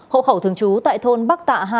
hộ khẩu thường trú tại thôn bắc tạ hai